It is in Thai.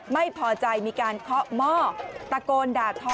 ไม่พอใจมีการเคาะหม้อตะโกนด่าทอ